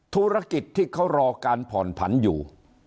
ธุรกิจที่เขารอการผ่อนผันอยู่